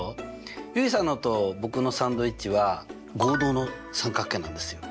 結衣さんのと僕のサンドイッチは合同の三角形なんですよ。